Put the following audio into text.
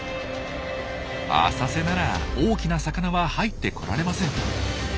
浅瀬なら大きな魚は入って来られません。